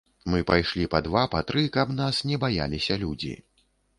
Мы пайшлі па два, па тры, каб нас не баяліся людзі.